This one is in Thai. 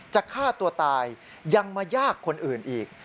ฆ่าตัวตายยังมายากคนอื่นอีก